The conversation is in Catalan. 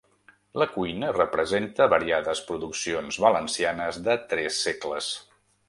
La cuina representa variades produccions valencianes de tres segles.